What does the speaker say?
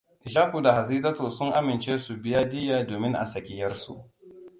Ishaku da Hadizatu sun amince su biya diyya domin a saki ʻyarsu.